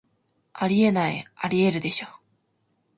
あり得ない、アリエールでしょ